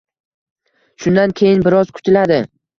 Shundan keyin biroz kutiladi.